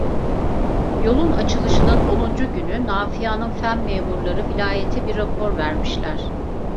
Yolun açılışının onuncu günü nafıanın fen memurlan vilayete bir rapor vermişler.